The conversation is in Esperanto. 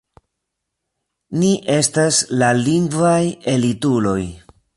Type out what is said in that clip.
Ni estas la lingvaj elituloj!